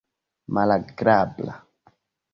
malagrabla